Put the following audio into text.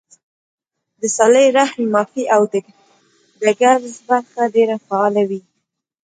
د صله رحمۍ ، معافۍ او درګذر برخه ډېره فعاله وي